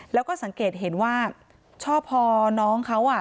แล้วก็สังเกตเห็นว่าชอบพอน้องเขาอ่ะ